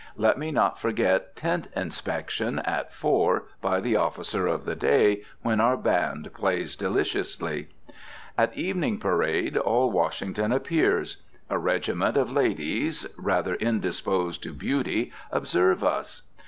Let me not forget tent inspection, at four, by the officer of the day, when our band plays deliciously. At evening parade all Washington appears. A regiment of ladies, rather indisposed to beauty, observe us.